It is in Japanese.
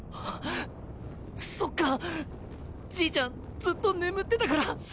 そっかじいちゃんずっと眠ってたから。